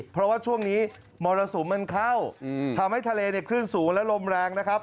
เพราะว่าช่วงนี้มรสุมมันเข้าทำให้ทะเลเนี่ยคลื่นสูงและลมแรงนะครับ